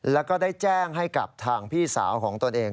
แล้วก็ได้แจ้งให้กับทางพี่สาวของตนเอง